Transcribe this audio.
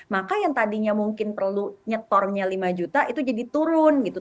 maka yang tadinya mungkin perlu nyetornya lima juta itu jadi turun gitu